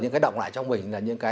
những cái động lại trong mình